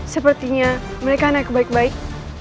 sepertinya mereka anak yang baik baik